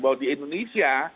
bahwa di indonesia